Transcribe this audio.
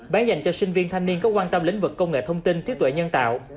bán dành cho sinh viên thanh niên có quan tâm lĩnh vực công nghệ thông tin trí tuệ nhân tạo